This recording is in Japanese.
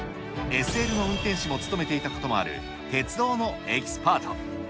ＳＬの運転士も務めていたこともある鉄道のエキスパート。